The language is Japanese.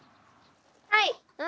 はい。